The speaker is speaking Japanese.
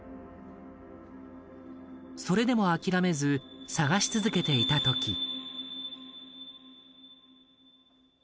それでもあきらめず探し続けていたとき。